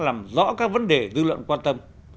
làm rõ các vấn đề dư luận quan tâm